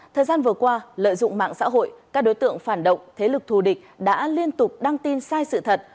thời gian vừa qua lợi dụng mạng xã hội các đối tượng phản động thế lực thù địch đã liên tục đăng tin sai sự thật